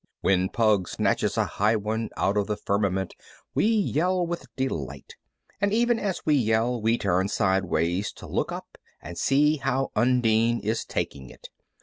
When "Pug" snatches a high one out of the firmament we yell with delight, and even as we yell we turn sideways to look up and see how Undine is taking it.